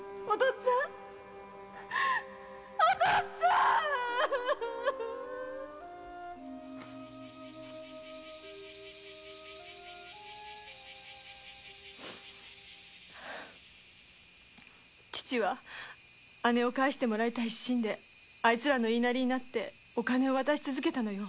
っつぁん父は姉を返してもらいたい一心でアイツらのいいなりになってお金を渡し続けたのよ